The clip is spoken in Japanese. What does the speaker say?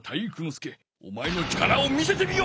介おまえの力を見せてみよ！